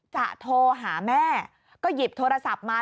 จะโทรหาแม่ก็หยิบโทรศัพท์มา